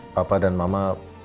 papa dan mama